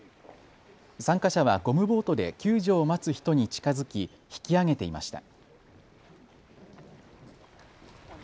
参加者はゴムボートで救助を待つ人に近づき引き上げていました。